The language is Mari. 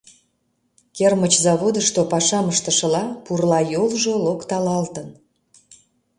Кермыч заводышто пашам ыштышыла, пурла йолжо локтылалтын.